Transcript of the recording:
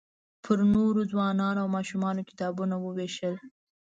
پر نوو ځوانانو او ماشومانو کتابونه ووېشل.